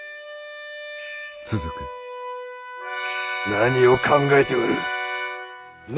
何を考えておる信長！